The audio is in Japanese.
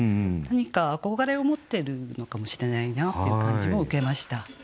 何か憧れを持ってるのかもしれないなっていう感じも受けました。